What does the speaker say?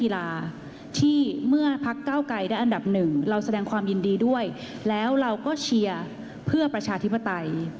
แล้วก็เชียร์เพื่อประชาธิบดัย